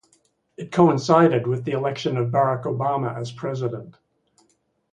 It coincided with the election of Barack Obama as President.